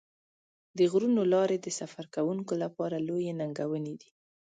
د غرونو لارې د سفر کوونکو لپاره لویې ننګونې دي.